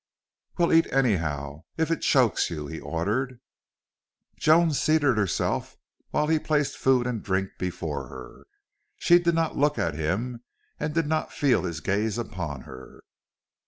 "Well, eat anyhow if it chokes you," he ordered. Joan seated herself while he placed food and drink before her. She did not look at him and did not feel his gaze upon her.